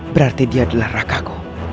berarti dia adalah rakaku